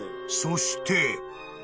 ［そして］